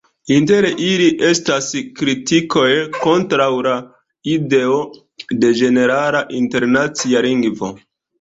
Inter ili, estas kritikoj kontraŭ la ideo de ĝenerala internacia lingvo.